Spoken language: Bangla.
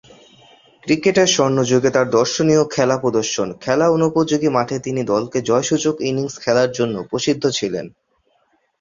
ক্রিকেটের স্বর্ণযুগে তার দর্শনীয় খেলা প্রদর্শন, খেলা অনুপযোগী মাঠে তিনি দলকে জয়সূচক ইনিংস খেলার জন্য প্রসিদ্ধ ছিলেন।